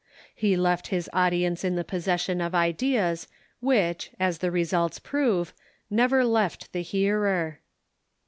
He left his audience in the possession of ideas which, as the results prove, never left the hearer.